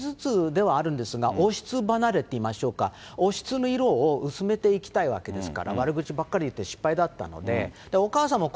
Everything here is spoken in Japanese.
メーガン妃も少しずつではあるんですが、王室離れっていいましょうか、王室の色を薄めていきたいわけですから、悪口ばっかり言って失敗だったので。